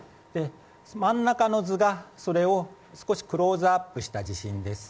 真ん中の図がそれをクローズアップした地震です。